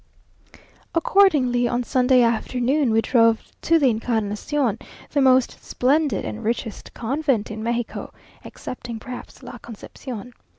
Accordingly, on Sunday afternoon, we drove to the Encarnación, the most splendid and richest convent in Mexico, excepting perhaps la Concepción.